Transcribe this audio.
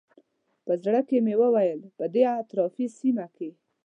په زړه کې مې وویل په دې اطرافي سیمه کې.